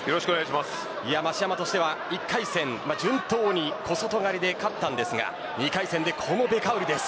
増山としては１回戦順当に小外刈で勝ちましたが、２回戦でこのベカウリです。